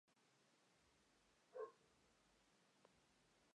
Luego se hicieron las gestiones para que el templo fuera considerado basílica Menor.